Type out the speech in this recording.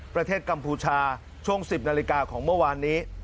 กัมพูชาช่วง๑๐นาฬิกาของเมื่อวานนี้